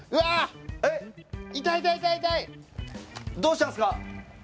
どうしたんですか？